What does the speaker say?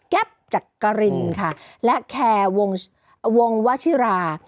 แก๊บจัดกรินค่ะและแควงวัชิรา